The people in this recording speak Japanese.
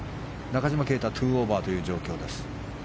中島啓太は２オーバーという状況です。